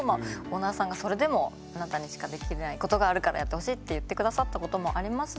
オーナーさんがそれでもあなたにしかできないことがあるからやってほしいって言って下さったこともありますし。